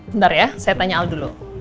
bentar ya saya tanya al dulu